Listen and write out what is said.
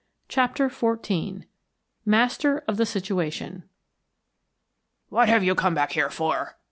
CHAPTER XIV MASTER OF THE SITUATION "What have you come back here for?"